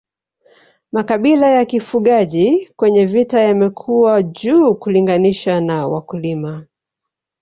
Makabila ya kifugaji kwenye vita yamekuwa juu kulinganisha na wakulima